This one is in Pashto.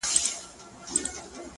زه د یویشتم قرن غضب ته فکر نه کوم’